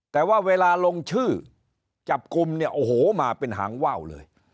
แต่ว่าเวลาลงชื่อจับกลุ่มเนี่ยโอ้โหมาเป็นหางว่าวเลย